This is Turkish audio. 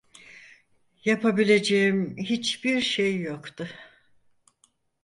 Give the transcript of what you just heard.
Yapabileceğim hiçbir şey yoktu.